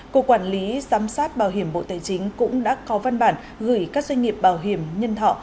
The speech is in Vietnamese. cục quản lý giám sát bảo hiểm bộ tài chính cũng đã có văn bản gửi các doanh nghiệp bảo hiểm nhân thọ